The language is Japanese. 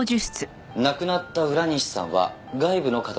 亡くなった浦西さんは外部の方ですよね？